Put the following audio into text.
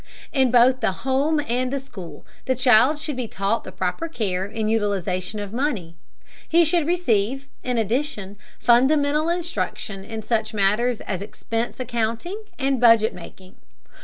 In both the home and the school the child should be taught the proper care and utilization of money. He should receive, in addition, fundamental instruction in such matters as expense accounting and budget making.